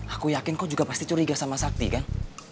aku yakin kau juga pasti curiga sama sakti kan